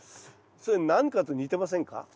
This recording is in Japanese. それ何かと似てませんか？